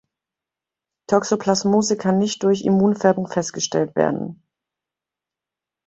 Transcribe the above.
Toxoplasmose kann nicht durch Immunfärbung festgestellt werden.